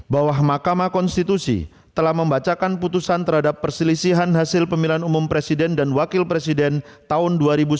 bahwa mahkamah konstitusi telah membacakan putusan terhadap perselisihan hasil pemilihan umum presiden dan wakil presiden tahun dua ribu sembilan belas